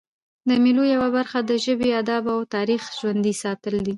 د مېلو یوه برخه د ژبي، ادب او تاریخ ژوندي ساتل دي.